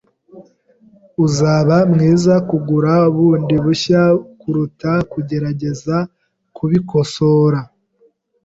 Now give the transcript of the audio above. Uzaba mwiza kugura bundi bushya kuruta kugerageza kubikosora.